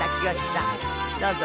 どうぞ。